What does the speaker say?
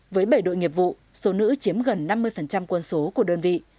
với bảy đội nghiệp vụ số nữ chiếm gần năm mươi quân số của đơn vị